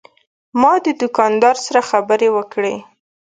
ما د دوکاندار سره خبرې وکړې.